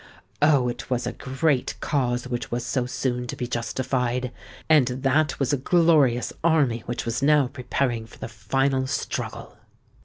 Oh! it was a great cause which was so soon to be justified—and that was a glorious army which was now preparing for the final struggle!